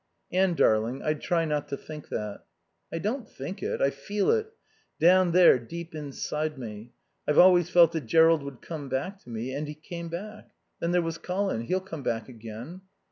"Anne darling, I'd try not to think that." "I don't think it. I feel it. Down there, deep inside me. I've always felt that Jerrold would come back to me and he came back. Then there was Colin. He'll come back again."